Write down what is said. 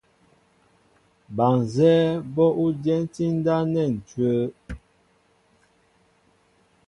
Ba nzɛ́ɛ́ bó ú dyɛntí ndáp nɛ́ ǹcʉ́wə́.